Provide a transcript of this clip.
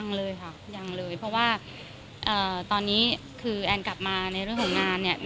ยังเลยค่ะยังเลยเพราะว่าตอนนี้คือแอนกลับมาในเรื่องของงานเนี่ย